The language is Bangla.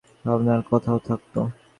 ভয় যদি থাকত তা হলেই তোমার ভাবনার কথাও থাকত।